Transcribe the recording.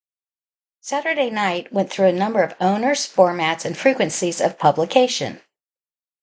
"Saturday Night" went through a number of owners, formats, and frequencies of publication.